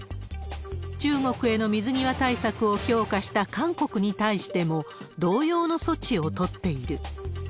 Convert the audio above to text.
中国への水際対策を強化した韓国に対しても、同様の措置を取っている。